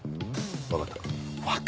分かったか？